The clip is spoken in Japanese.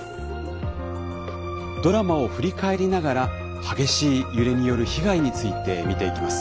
ドラマを振り返りながら激しい揺れによる被害について見ていきます。